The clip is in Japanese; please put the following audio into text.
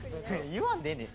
言わんでええねん。